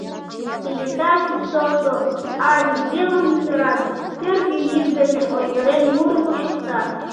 Кенета кӱсото аньык велым йытыран, кӧргӧ йӱк дене ойгырен мурымо шокта.